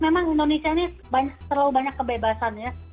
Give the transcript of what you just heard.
memang indonesia ini terlalu banyak kebebasan ya